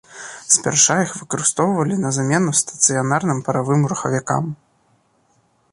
Спярша іх выкарыстоўвалі на замену стацыянарным паравым рухавікам.